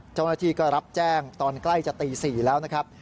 เจ้าหน้าที่ก็รับแจ้งตอนใกล้จะตี๔แล้วนะครับ